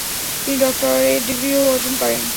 তিনি ডক্টরেট ডিগ্রিও অর্জন করেন।